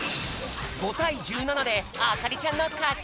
５たい１７であかりちゃんのかち！